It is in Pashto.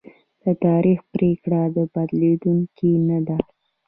د تاریخ پرېکړه بدلېدونکې نه ده.